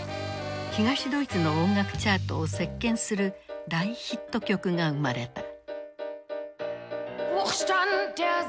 東ドイツの音楽チャートを席巻する大ヒット曲が生まれた。